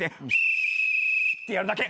ってやるだけ。